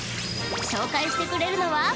［紹介してくれるのは？］